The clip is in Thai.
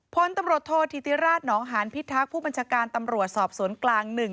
พลตำรวจโทษธิติราชหนองหานพิทักษ์ผู้บัญชาการตำรวจสอบสวนกลาง๑